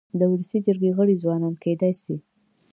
د ولسي جرګي غړي ځوانان کيدای سي.